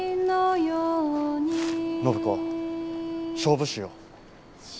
暢子勝負しよう。